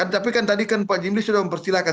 tapi kan tadi kan pak jimli sudah mempersilahkan